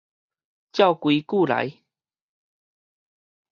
照規矩來